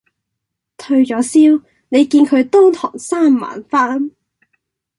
退左燒，你見佢當堂生猛返